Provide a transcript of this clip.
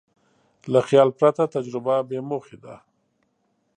له خیال پرته تجربه بېموخې ده.